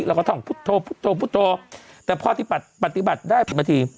แล้วก็ต้องพุทธโทพุทธโทพุทธโทแต่พอปฏิบัติปฏิบัติได้๑นาที